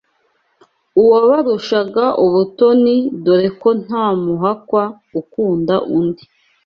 uwabarushaga ubutoni dore ko nta muhakwa ukunda undi